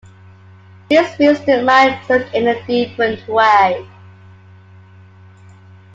This frees the mind to look in a different way.